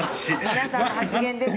皆さんの発言です。